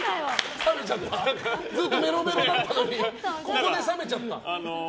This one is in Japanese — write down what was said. ずっとメロメロだったのにここで冷めちゃった。